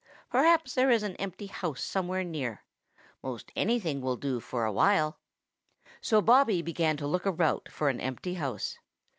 Perhaps there is an empty house somewhere near. Most anything will do for awhile." So Bobby began to look about for an empty house.